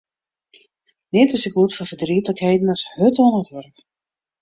Neat is sa goed foar fertrietlikheden as hurd oan it wurk.